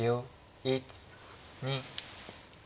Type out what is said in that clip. １２。